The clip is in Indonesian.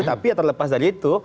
tapi terlepas dari itu